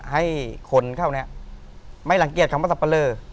ให้คนเท่านี้ไม่รังเกียจคำว่าสับปะเลอ